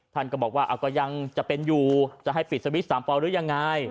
ท่านก็บอกว่าก็ยังจะเป็นอยู่จะให้ปิดสวิตช์๓ปอลหรือยังไง